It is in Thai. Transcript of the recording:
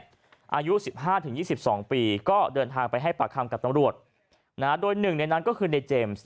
อายุ๑๕๒๒ปีก็เดินทางไปให้ปากคำกับตำรวจโดยหนึ่งในนั้นก็คือในเจมส์